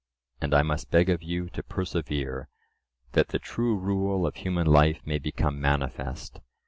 And I must beg of you to persevere, that the true rule of human life may become manifest.